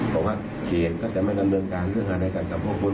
ถ้าเข็มก็จะไม่ดำเนินการเรื่องอะไรกันกับพวกคุณ